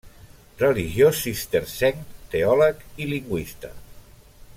Religiós cistercenc, teòleg i lingüista.